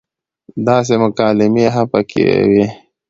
داسې مکالمې هم پکې وې